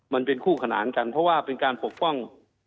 มันเป็นคู่ขนานกันเพราะว่าเป็นการปกป้อง